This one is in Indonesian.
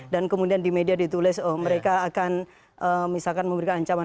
dan kemudian di media ditulis oh mereka akan misalkan memberikan ancaman